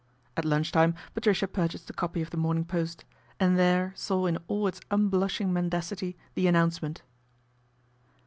At lunch time Patricia purchased a copy of The Morning Post, and there saw in all its un blushing mendacity the announcement.